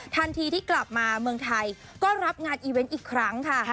ทันทีที่กลับมาเมืองไทยก็รับงานอีเวนต์อีกครั้งค่ะ